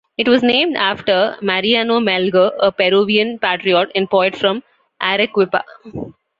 It was named after Mariano Melgar, a Peruvian patriot and poet from Arequipa.